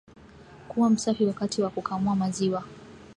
Kuwa msafi wakati wa kukamua maziwa